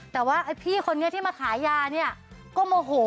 แต่ว่าไอ้พี่คนนี้ที่มาขายยาเนี่ยก็โมโห